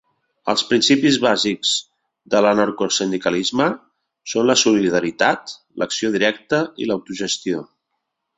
Els principis bàsics de l'anarcosindicalisme són la solidaritat, l'acció directa i l'autogestió.